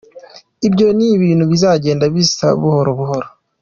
Ibyo ni ibintu bizagenda biza buhoro buhoro.